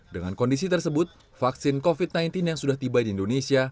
dengan kondisi tersebut vaksin covid sembilan belas yang sudah tiba di indonesia